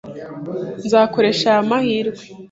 Nzakoresha aya mahirwe.